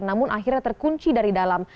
namun akhirnya terkunci dari dalam